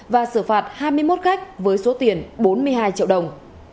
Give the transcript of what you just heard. và xử phạt hai mươi một khách với số tiền bốn mươi hai triệu đồng